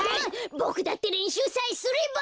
ボクだってれんしゅうさえすれば。